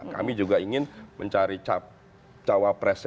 kami juga ingin mencari cawapres